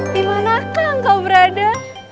dimanakah engkau berada